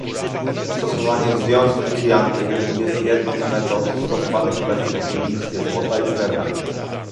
Stosowanie związków cyjanku jest jedną z metod stosowanych obecnie w górnictwie złota i srebra